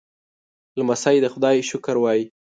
لمسی د خدای شکر وايي.